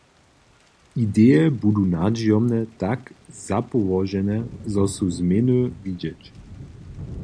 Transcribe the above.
Ideje budu nadźijomnje tak zapołožene, zo su změny widźeć.